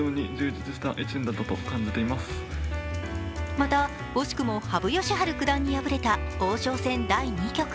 また、惜しくも羽生善治九段に敗れた王将戦第２局。